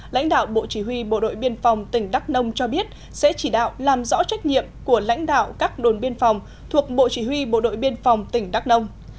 lãnh đạo bộ chỉ huy bộ đội biên phòng tỉnh đắk nông cho biết sẽ chỉ đạo làm rõ trách nhiệm của lãnh đạo các đồn biên phòng thuộc bộ chỉ huy bộ đội biên phòng tỉnh đắk nông